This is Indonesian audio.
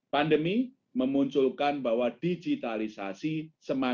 pandemi memunculkan bahwa digitalisasi semakin